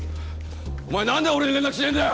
お前なんで俺に連絡しねえんだよ！